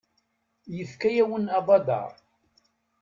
Yefka-yawen abadaṛ.